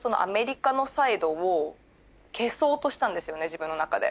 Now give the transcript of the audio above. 自分の中で。